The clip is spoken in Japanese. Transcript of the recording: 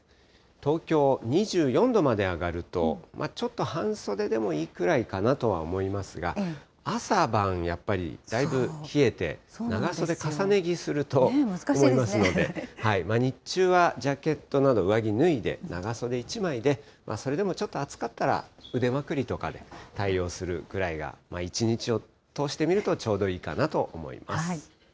東京２４度まで上がると、ちょっと半袖でもいいくらいかなとは思いますが、朝晩やっぱりだいぶ冷えて、長袖重ね着すると思いますので、日中はジャケットなど上着脱いで、長袖１枚で、それでもちょっと暑かったら腕まくりとかで対応するくらいが、一日を通してみると、ちょうどいいかなと思います。